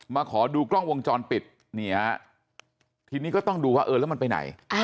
มาขอดูกล้องวงจรปิดนี่ฮะทีนี้ก็ต้องดูว่าเออแล้วมันไปไหน